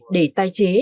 để tai chế